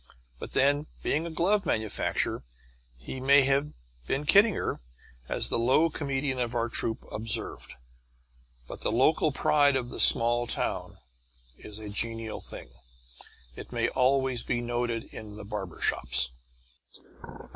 But then, being a glove manufacturer, he may have been kidding her, as the low comedian of our troupe observed. But the local pride of the small town is a genial thing. It may always be noted in the barber shops.